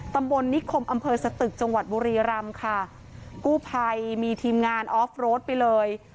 ตำบลนิคมอำเภอสตึกจังหวัดบุรีรำค่ะกู้ภัยมีทีมงานออฟโรดไปเลย